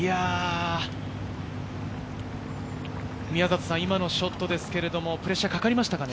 宮里さん、今のショットですけど、プレッシャーかかりましたかね？